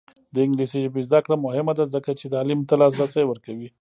د انګلیسي ژبې زده کړه مهمه ده ځکه چې تعلیم ته لاسرسی ورکوي.